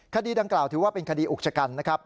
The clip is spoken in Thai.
คดีดังกล่าวถือว่าเป็นคดีอุกชกันนะครับ